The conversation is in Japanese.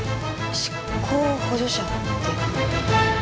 執行補助者って何？